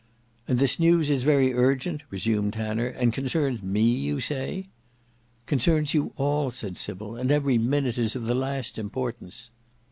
"And this news is very urgent," resumed Tanner; "and concerns me you say?" "Concerns you all," said Sybil; "and every minute is of the last importance."